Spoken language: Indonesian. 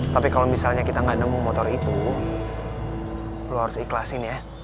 tapi kalau misalnya kita nggak nemu motor itu lo harus ikhlasin ya